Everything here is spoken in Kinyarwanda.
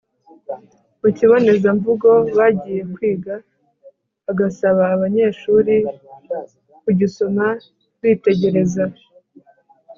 ku kibonezamvugo bagiye kwiga, agasaba abanyeshuri kuzisoma bitegereza